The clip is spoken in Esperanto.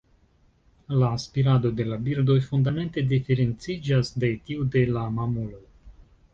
La spirado de la birdoj fundamente diferenciĝas de tiu de la mamuloj.